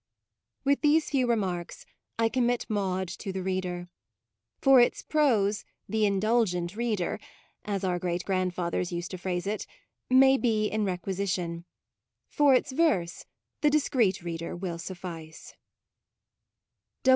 With these few remarks I commit Maude to the reader. For its prose the u indulgent reader " (as our great grandfathers used to phrase it) may be in requisition; for its verse the u discreet " reader will suffice.